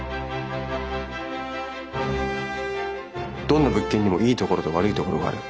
どんな物件にもいいところと悪いところがある。